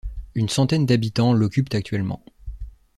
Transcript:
Une centaine d'habitants l'occupent actuellement.